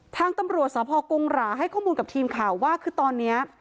ทางตำรวจสภกุงหราให้ข้อมูลกับทีมข่าวว่าคือตอนนี้